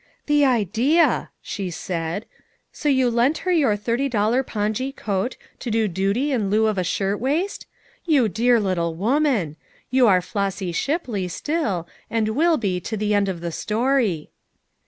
' l The idea !'' she said, " So you lent her your thirty dollar pongee coat, to do duty in lieu of a shirt waist? You dear little woman! You are Flossy Shipley, still, and will he to the end of the storv."